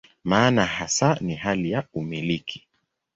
Maana hasa ni hali ya "umiliki".